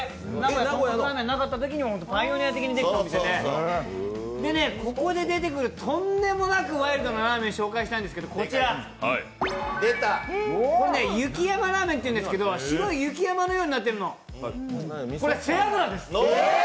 まだとんこつラーメンなかったときに出来てたお店でここで出てくるとんでもなくワイルドなラーメンを紹介したいんですけど、雪山ラーメンって言うんですけど白い雪山のようになってるのこれ、背脂です。